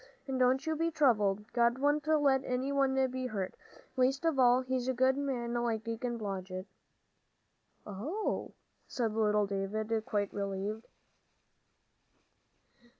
And don't you be troubled; God wouldn't let any one be hurt, least of all a good man like Deacon Blodgett." "Oh," said little David, quite relieved.